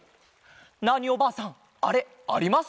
ナーニおばあさんあれあります？